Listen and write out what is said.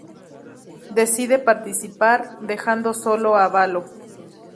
Decide participar, dejando solo a Valo.